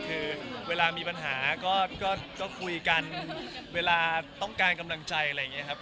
คือเวลามีปัญหาก็คุยกันเวลาต้องการกำลังใจอะไรอย่างนี้ครับ